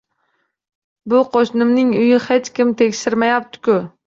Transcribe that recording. Bu qoʻshnimning uyini hech kim tekshirmayapti-ku.